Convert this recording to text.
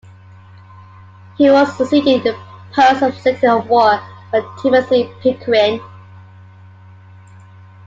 He was succeeded in the post of Secretary of War by Timothy Pickering.